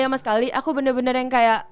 sama sekali aku bener bener yang kayak